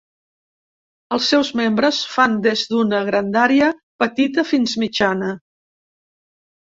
Els seus membres fan des d'una grandària petita fins mitjana.